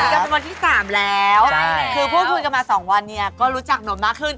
ก็เป็นวันที่๓แล้วคือพูดคุยกันมา๒วันเนี่ยก็รู้จักนมมากขึ้น